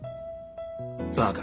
バカ